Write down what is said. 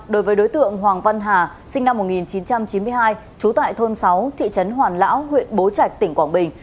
đối với đối tượng hoàng văn hà sinh năm một nghìn chín trăm chín mươi hai trú tại thôn sáu thị trấn hoàn lão huyện bố trạch tỉnh quảng bình